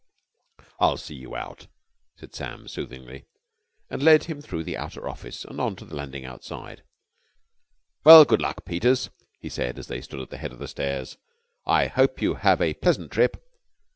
"I'll see you out," said Sam soothingly, and led him through the outer office and on to the landing outside. "Well, good luck, Peters," he said, as they stood at the head of the stairs. "I hope you have a pleasant trip.